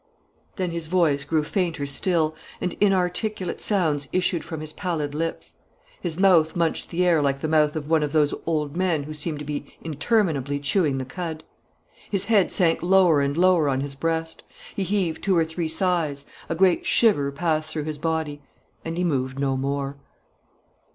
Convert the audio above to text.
Then his voice grew fainter still; and inarticulate sounds issued from his pallid lips. His mouth munched the air like the mouth of one of those old men who seem to be interminably chewing the cud. His head sank lower and lower on his breast. He heaved two or three sighs; a great shiver passed through his body; and he moved no more.